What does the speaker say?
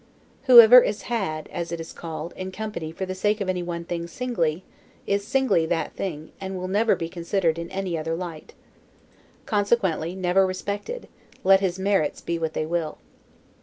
Whoever is HAD (as it is called) in company for the sake of any one thing singly, is singly that thing and will never be considered in any other light; consequently never respected, let his merits be what they will.